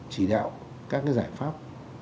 chỉ đạo các giải pháp